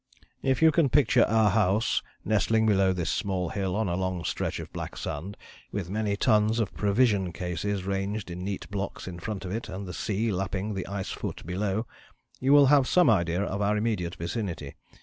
"If you can picture our house nestling below this small hill on a long stretch of black sand, with many tons of provision cases ranged in neat blocks in front of it and the sea lapping the ice foot below, you will have some idea of our immediate vicinity.